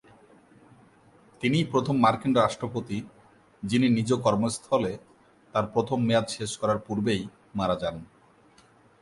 তিনিই প্রথম মার্কিন রাষ্ট্রপতি, যিনি নিজ কর্মস্থলে তার প্রথম মেয়াদ শেষ করার পূর্বেই মারা যান।